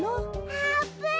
あーぷん。